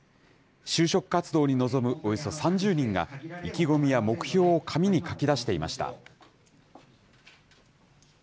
就職活動に臨むおよそ３０人が、意気込みや目標を紙に書き出していました。